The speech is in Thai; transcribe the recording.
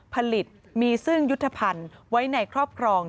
ผลิตมีซึ่งยุทธภัณฑ์ไว้ในครอบครอง